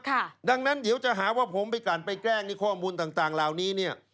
ครับดังนั้นเดี๋ยวจะหาว่าผมไปการแกล้งข้อมูลต่างราวนี้เนี่ย